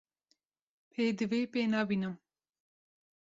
Pêdivî pê nabînim.